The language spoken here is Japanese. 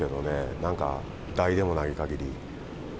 なんか、台でもないかぎり。